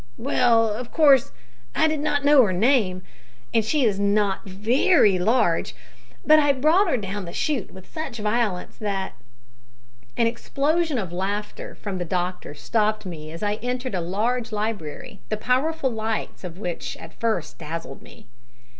"Well, of course, I did not know her name, and she is not very large; but I brought her down the shoot with such violence that " An explosion of laughter from the doctor stopped me as I entered a large library, the powerful lights of which at first dazzled me.